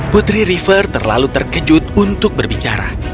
putri river terlalu terkejut untuk berbicara